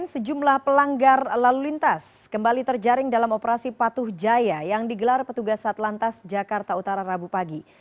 sejumlah pelanggar lalu lintas kembali terjaring dalam operasi patuh jaya yang digelar petugas satlantas jakarta utara rabu pagi